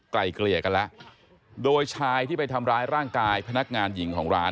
ไกลเกลี่ยกันแล้วโดยชายที่ไปทำร้ายร่างกายพนักงานหญิงของร้าน